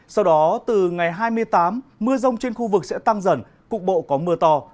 sau đó từ ngày hai mươi tám mưa rông trên khu vực sẽ tăng dần cục bộ có mưa to